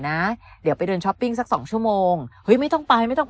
นะเดี๋ยวไปเดินช้อปปิ้งสักสองชั่วโมงเฮ้ยไม่ต้องไปไม่ต้องไป